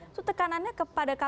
itu tekanannya kepadanya